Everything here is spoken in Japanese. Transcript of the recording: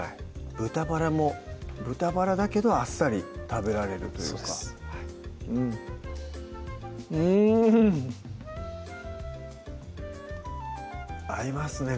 豚バラも豚バラだけどあっさり食べられるというかうんうん合いますね